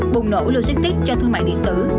năm bùng nổ logistics cho thương mại điện tử